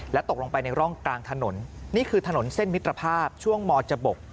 ตกลงไปในร่องกลางถนนนี่คือถนนเส้นมิตรภาพช่วงมจบก